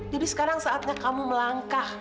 jadi sekarang saatnya kamu melangkah